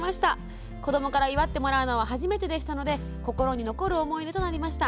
子どもから祝ってもらうのは初めてでしたので心に残る思い出となりました」。